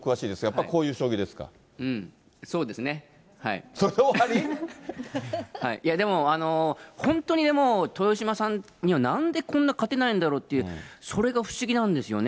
はい、いやでも、本当に豊島さんには、なんでこんなに勝てないんだろうっていう、それが不思議なんですよね。